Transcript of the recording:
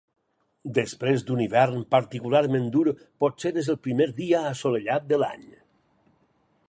Després d'un hivern particularment dur, potser és el primer dia assolellat de l'any.